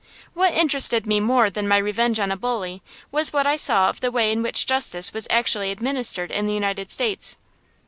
What interested me more than my revenge on a bully was what I saw of the way in which justice was actually administered in the United States.